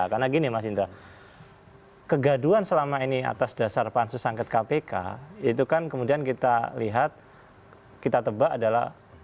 karena gini mas indra kegaduan selama ini atas dasar pansus angket kpk itu kan kemudian kita lihat kita tebak adalah